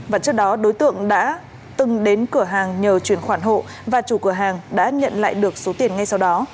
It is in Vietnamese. và trước đó đối tượng đã từng đến cửa hàng nhờ chuyển khoản hộ và chủ cửa hàng đã nhận lại được số tiền ngay sau đó